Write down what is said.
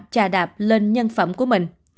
trà đạp lên nhân phẩm của mình